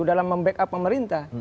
dalam mem backup pemerintah